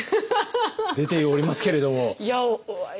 出ておりますけれども。